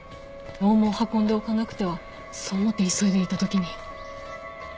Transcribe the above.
オウムを運んでおかなくてはそう思って急いでいた時に。